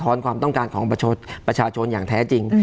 ที่สะท้อนความต้องการของประชาชนอย่างแท้จริง